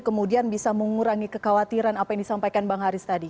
kemudian bisa mengurangi kekhawatiran apa yang disampaikan bang haris tadi